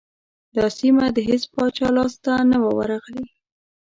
دا سیمه د هیڅ پاچا لاسته نه وه ورغلې.